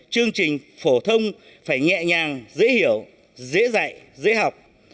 chương trình phổ thông phải nhẹ nhàng dễ hiểu dễ dạy dễ học